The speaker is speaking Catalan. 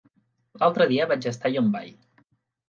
L'altre dia vaig estar a Llombai.